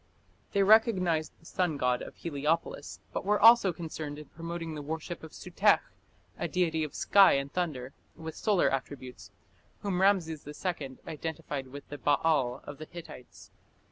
They recognized the sun god of Heliopolis, but were also concerned in promoting the worship of Sutekh, a deity of sky and thunder, with solar attributes, whom Rameses II identified with the "Baal" of the Hittites.